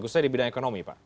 khususnya di bidang ekonomi pak